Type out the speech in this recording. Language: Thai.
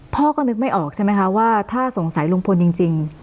พ่อก็นึกไม่ออกใช่ไหมคะว่าถ้าสงสัยลุงพลจริง